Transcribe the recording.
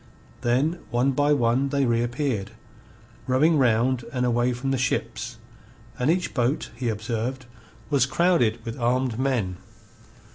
Then one by one they reappeared, rowing round and away from the ships, and each boat, he observed, was crowded with armed men.